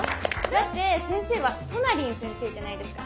だって先生はトナりん先生じゃないですか。